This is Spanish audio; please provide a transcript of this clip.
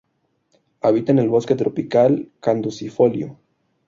Habita en el bosque tropical caducifolio.